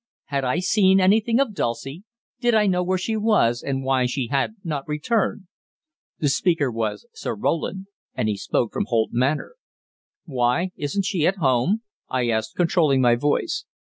"Had I seen anything of Dulcie? Did I know where she was and why she had not returned?" The speaker was Sir Roland, and he spoke from Holt Manor. "Why, isn't she at home?" I asked, controlling my voice.